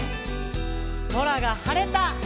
「そらがはれた」